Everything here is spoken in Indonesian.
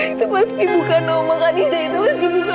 itu pasti bukan oma kak nisa itu pasti bukan oma